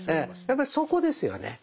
やっぱりそこですよね。